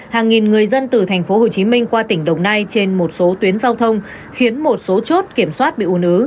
hàng nghìn người dân từ thành phố hồ chí minh qua tỉnh đồng nai trên một số tuyến giao thông khiến một số chốt kiểm soát bị un ứ